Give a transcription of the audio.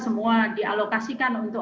semua dialokasikan untuk